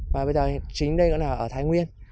và bây giờ chính đây nữa là ở thái nguyên